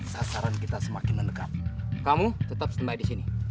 sasaran kita semakin mendekat kamu tetap standby di sini